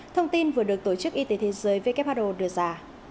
thông tin vừa được tổ chức y tế thế giới who đưa ra